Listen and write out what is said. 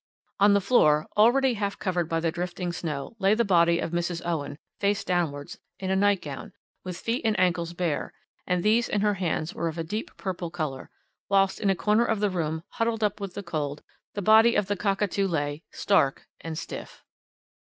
On the floor, already half covered by the drifting snow, lay the body of Mrs. Owen face downwards, in a nightgown, with feet and ankles bare, and these and her hands were of a deep purple colour; whilst in a corner of the room, huddled up with the cold, the body of the cockatoo lay stark and stiff."